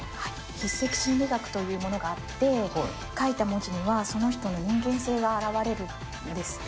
筆跡心理学というものがあって、書いた文字にはその人の人間性が表れるんです。